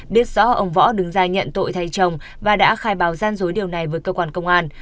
biết rõ ông võ đứng ra nhận tội thay chồng và đã khai báo gian dối điều này với cơ quan công an